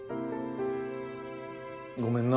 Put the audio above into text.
ごめんな。